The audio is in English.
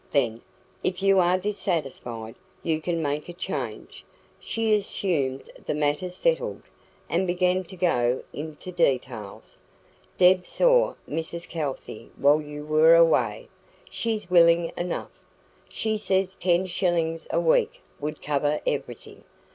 Then, if you are dissatisfied, you can make a change." She assumed the matter settled, and began to go into details. "Deb saw Mrs Kelsey while you were away; she's willing enough. She says ten shillings a week would cover everything.